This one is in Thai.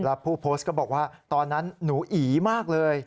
แล้วผู้โพสต์ก็บอกว่าตอนนั้นหนูอีมากเลย